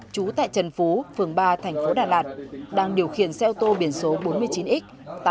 trú tại trần phú phường ba thành phố đà lạt đang điều khiển xe ô tô biển số bốn mươi chín x tám nghìn tám trăm tám mươi